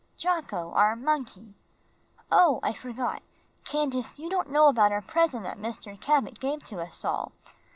"Jocko, our monkey. Oh, I forgot, Candace, you don't know about our present that Mr. Cabot gave to us all.